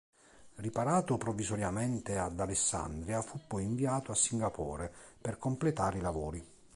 Riparato provvisoriamente ad Alessandria, fu poi inviato a Singapore per completare i lavori.